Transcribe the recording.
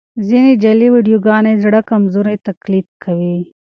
ځینې جعلي ویډیوګانې زړو کمرې تقلید کوي.